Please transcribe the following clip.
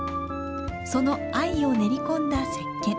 その藍を練り込んだ石けん。